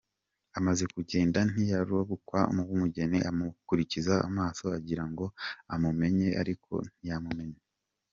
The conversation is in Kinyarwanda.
Amaze kugenda nyirabukwe w’umugeni amukurikiza amaso agira ngo amumenye ariko ntiyamumenya.